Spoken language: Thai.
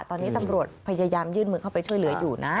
ตอนนี้ตำรวจพยายามยื่นมือเข้าไปช่วยเหลืออยู่นะ